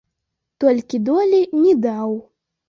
Толькі долі не даў.